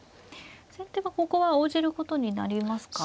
先手はここは応じることになりますか。